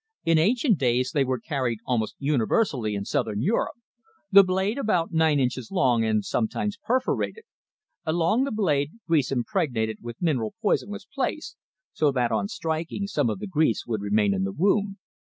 In ancient days they were carried almost universally in Southern Europe the blade about nine inches long, and sometimes perforated. Along the blade, grease impregnated with mineral poison was placed, so that, on striking, some of the grease would remain in the wound.